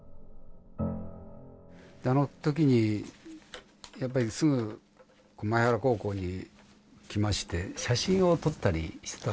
あの時にやっぱりすぐ前原高校に来まして写真を撮ったりしてたんですね。